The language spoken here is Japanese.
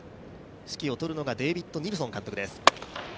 指揮をとるのがデービッド・ニルソン監督です。